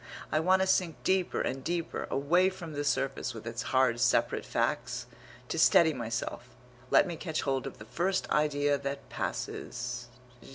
I want to sink deeper and deeper, away from the surface, with its hard separate facts. To steady myself, let me catch hold of the first idea that passes....